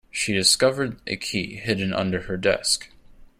She discovered a key hidden under her desk.